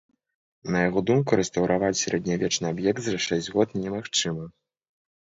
На яго думку рэстаўраваць сярэднявечны аб'ект за шэсць год немагчыма.